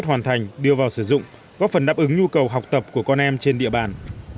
năm học mới đang gấp rút hoàn thành đưa vào sử dụng góp phần đáp ứng nhu cầu học tập của con em trên địa bàn